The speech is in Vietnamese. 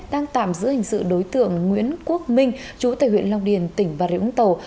đang tạm giữ hình sự đối tượng nguyễn quốc minh chú tại huyện long điền tỉnh bà rịa úng tàu